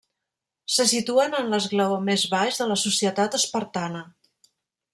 Se situen en l'esglaó més baix de la societat espartana.